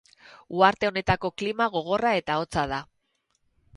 Uharte honetako klima gogorra eta hotza da.